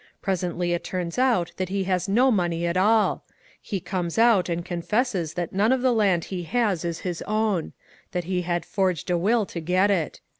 Presently it turns out that he has no money at all. He comes out and confesses that none of the land he has is his own — that he had forged a will to get it.